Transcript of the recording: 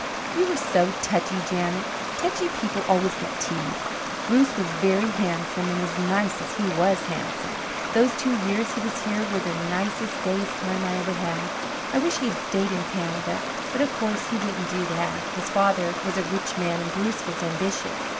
"You were so touchy, Janet. Touchy people always get teased. Bruce was very handsome and as nice as he was handsome. Those two years he was here were the nicest, gayest time I ever had. I wish he had stayed in Canada. But of course he wouldn't do that. His father was a rich man and Bruce was ambitious.